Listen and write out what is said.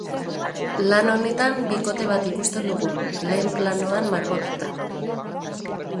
Lan honetan bikote bat ikusten dugu, lehen planoan margotuta.